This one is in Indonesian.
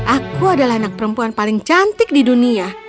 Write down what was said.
aku adalah anak perempuan paling cantik di dunia